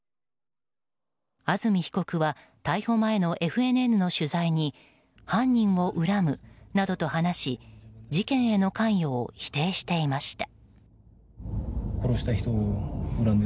安住被告は逮捕前のＦＮＮの取材に犯人を恨むなどと話し事件への関与を否定していました。